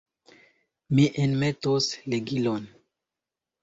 Mi enmetos ligilon.